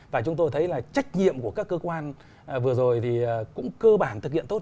và chúng tôi thấy là trách nhiệm của các cơ quan vừa rồi thì cũng cơ bản thực hiện tốt